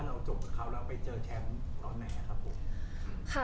เราจบกับเขาแล้วไปเจอแคมป์ตอนไหนครับผมค่ะ